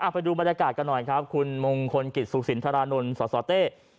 ไปดูบรรยากาศกันหน่อยครับคุณมงคลกิจสุขสินทรานนท์สสเต้